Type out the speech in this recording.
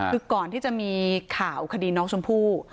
คือก่อนที่จะมีข่าวคดีน้องชมพู่